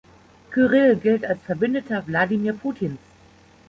Kyrill gilt als Verbündeter Wladimir Putins.